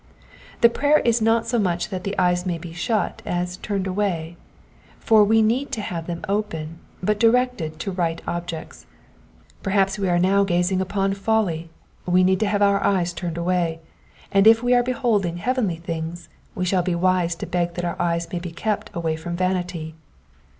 The prayer is not so much that the eyes may be shut as ^^ turned away'*'*; for we need to have them open, but directed to right objects. Perhaps we are now gazing upon folly, we need to have our eyes turned away ; and if we are beholding heavenly things we shall be wise to beg that our eyes may be kept away from vanity.